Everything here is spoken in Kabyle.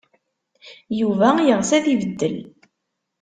Yuba yeɣs ad ibeddel.